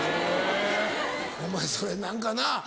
お前それ何かな。